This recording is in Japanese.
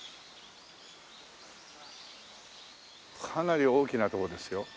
かなり大きなとこですよ。